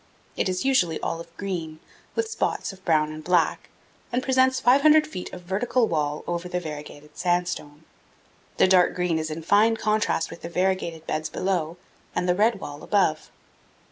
It is usually olive green, with spots of brown and black, and presents 500 feet of vertical wall over the variegated sand stone. The dark green is in fine contrast with the variegated beds below and the red wall above.